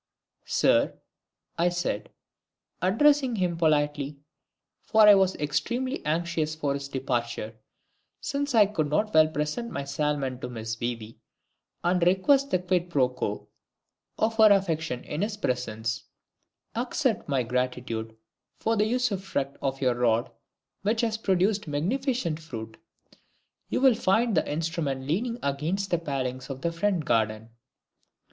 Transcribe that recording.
"Sir," I said, addressing him politely (for I was extremely anxious for his departure, since I could not well present my salmon to Miss WEE WEE and request the quid pro quo of her affection in his presence), "accept my gratitude for the usufruct of your rod, which has produced magnificent fruit. You will find the instrument leaning against the palings of the front garden."